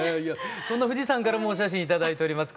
そんな藤さんからもお写真頂いております。